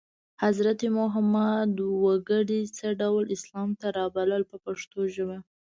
حضرت محمد وګړي څه ډول اسلام ته رابلل په پښتو ژبه.